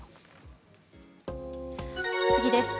次です。